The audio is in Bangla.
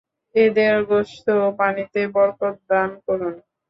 এদের গোশত ও পানিতে বরকত দান করুন।